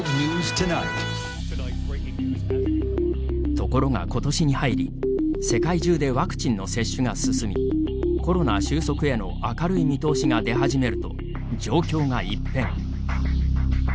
ところが、ことしに入り世界中でワクチンの接種が進みコロナ収束への明るい見通しが出始めると、状況が一変。